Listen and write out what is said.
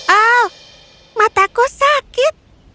oh mataku sakit